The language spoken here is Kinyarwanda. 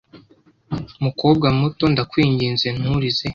"Mukobwa muto, ndakwinginze nturize.